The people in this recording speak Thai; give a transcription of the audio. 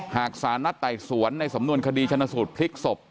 หากสารนัดไต่สวนในสำนวนคดีชนสูตรพลิกศพ